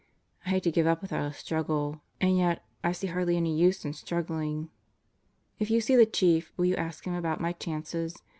I hate to give up without a struggle, and yet I see hardly any use in struggling. If you see the Chief, will you ask Mm about my chances?